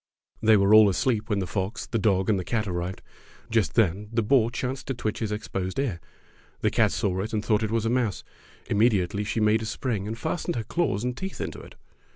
They were all asleep when the fox, the dog, and the cat arrived. Just then the boar chanced to twitch his exposed ear. The cat saw it and thought it was a mouse. Immedi ately she made a spring and fastened her claws and teeth into it.